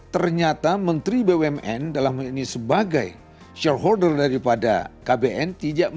ternyata menteri bumn dalam hal ini sebagai shareholder daripada kbn